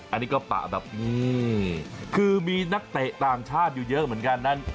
อันนี้ก็ปะแบบคือมีนักเตะต่างชาติอยู่เยอะเหมือนกันนั้น